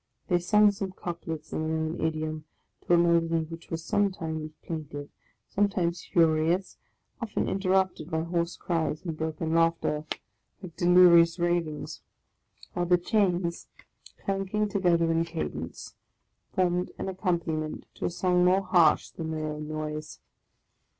They sung some couplets, in their own idiom, to a melody which was sometimes plaintive, sometimes furious, often interrupted by Coarse cries and broken laughter, like delirious ravings, while 58 THE LAST DAY the chains, clanking together in cadence, formed an accom paniment to a song more harsh than their own noise.